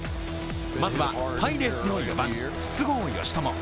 まずはパイレーツの４番・筒香嘉智。